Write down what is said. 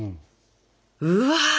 うわ！